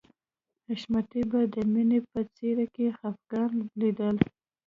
حشمتي به د مینې په څېره کې خفګان لیده